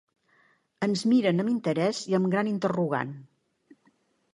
Ens miren amb interès i amb gran interrogant.